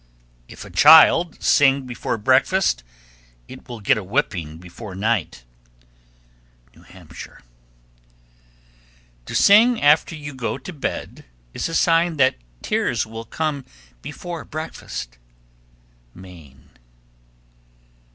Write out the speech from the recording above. _ 1319. If a child sing before breakfast, it will get a whipping before night. New Hampshire. 1320. To sing after you go to bed is a sign that tears will come before breakfast. _Maine.